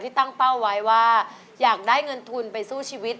ตั้งเป้าไว้ว่าอยากได้เงินทุนไปสู้ชีวิต